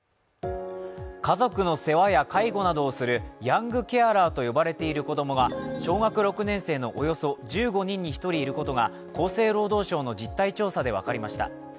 家族の世話や介護などをするヤングケアラーと呼ばれている子供が小学６年生のおよそ１５人に１人いることが厚生労働省の実態調査で分かりました。